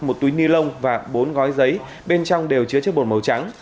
một túi ni lông và bốn gói giấy bên trong đều chứa chất bột màu trắng